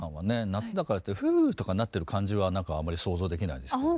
夏だからって「フゥ！」とかなってる感じは何かあんまり想像できないですけど。